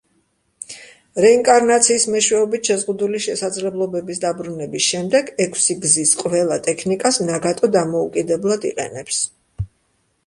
რეინკარნაციის მეშვეობით შეზღუდული შესაძლებლობების დაბრუნების შემდეგ, ექვსი გზის ყველა ტექნიკას ნაგატო დამოუკიდებლად იყენებს.